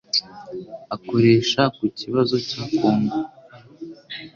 akoresha ku kibazo cya Kongo.